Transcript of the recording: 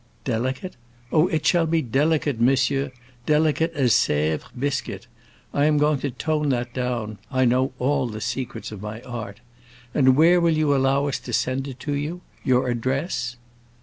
"Delicate? Oh, it shall be delicate, monsieur; delicate as Sèvres biscuit. I am going to tone that down; I know all the secrets of my art. And where will you allow us to send it to you? Your address?"